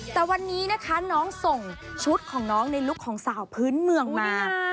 แต่วันนี้นะคะน้องส่งชุดของน้องในลุคของสาวพื้นเมืองมา